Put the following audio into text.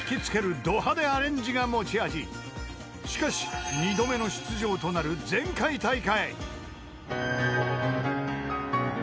［しかし２度目の出場となる前回大会］